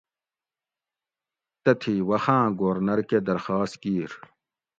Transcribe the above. تتھی وخاۤں گورنر کہ درخاس کیر